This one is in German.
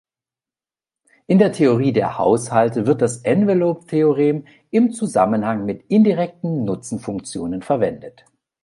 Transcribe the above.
In der Theorie der Haushalte wird das Envelope-Theorem im Zusammenhang mit indirekten Nutzenfunktionen verwendet.